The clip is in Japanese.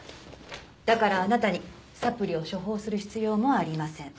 だからあなたにサプリを処方する必要もありません。